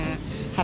harganya juga murah